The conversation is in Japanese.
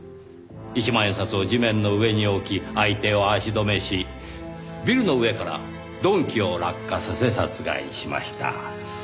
一万円札を地面の上に置き相手を足止めしビルの上から鈍器を落下させ殺害しました。